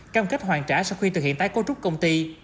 cam kết hoàn trả sau khi thực hiện tái cấu trúc công ty